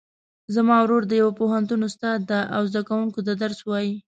زما ورور د یو پوهنتون استاد ده او زده کوونکو ته درس وایي